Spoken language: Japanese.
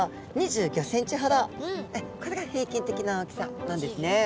これが平均的な大きさなんですね。